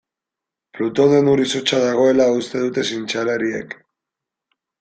Plutonen ur-izotza dagoela uste dute zientzialariek.